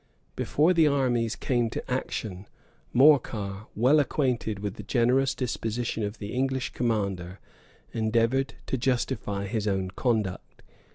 Before the armies came to action, Morcar, well acquainted with the generous disposition of the English commander, endeavored to justify his own conduct.